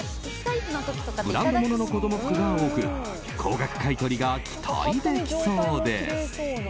ブランド物の子供服が多く高額買い取りが期待できそうです。